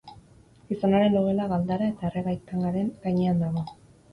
Gizonaren logela galdara eta erregai-tangaren gainean dago.